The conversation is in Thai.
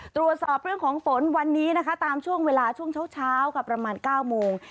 ตรวจสอบเรื่องของฝนวันนี้นะคะตามช่วงเวลาช่วงเช้าค่ะประมาณ๙โมง